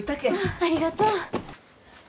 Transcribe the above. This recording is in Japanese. ありがとう。